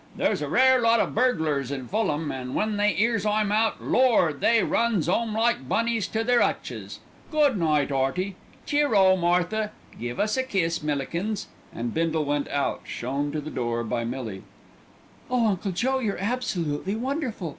There's a rare lot o' burglars in Fulham, an' when they 'ears I'm out, Lord! they runs 'ome like bunnies to their 'utches. Good night, 'Earty; cheer o, Martha! Give us a kiss, Millikins;" and Bindle went out, shown to the door by Millie. "Oh, Uncle Joe, you're absolutely wonderful!